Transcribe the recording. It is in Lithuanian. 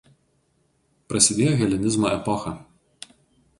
Prasidėjo helenizmo epocha.